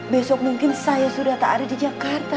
besok mungkin saya sudah tak ada di jakarta